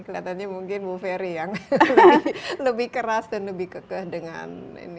kelihatannya mungkin bu ferry yang lebih keras dan lebih kekeh dengan ini